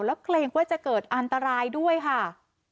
แล้วเกรงว่าจะเกิดอันตรายด้วยค่ะ